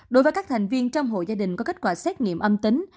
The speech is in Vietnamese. đối với các thành viên trong hội gia đình có kết quả xét nghiệm âm tính